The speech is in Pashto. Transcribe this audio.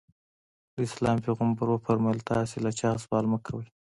د اسلام پیغمبر وفرمایل تاسې له چا سوال مه کوئ.